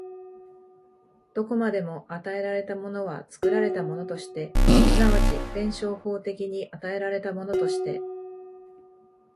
どこまでも与えられたものは作られたものとして、即ち弁証法的に与えられたものとして、